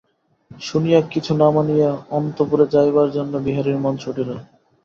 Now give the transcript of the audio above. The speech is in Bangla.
শুনিয়া, কিছু না মানিয়া অন্তঃপুরে যাইবার জন্য বিহারীর মন ছুটিল।